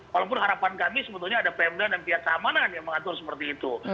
walaupun harapan kami sebetulnya ada pemda dan pihak keamanan yang mengatur seperti itu